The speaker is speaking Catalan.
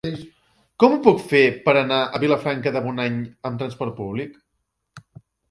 Com ho puc fer per anar a Vilafranca de Bonany amb transport públic?